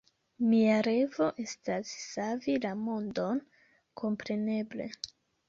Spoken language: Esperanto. Mia revo estas savi la mondon, kompreneble!